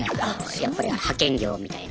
やっぱり派遣業みたいな。